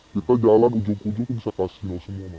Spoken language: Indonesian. kita jalan ujung ujung itu bisa casino semua